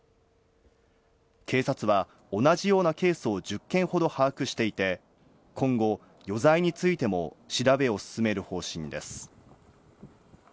警察は同じようなケースを１０件ほど把握していて、今後、余罪についても調べを進める方針です。